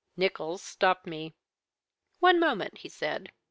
Nicholls stopped me. "'One moment,' he said.